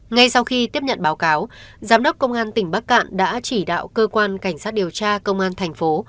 ngay sau khi tiếp nhận báo cáo giám đốc công an tỉnh bắc cạn đã chỉ đạo cơ quan cảnh sát điều tra công an thành phố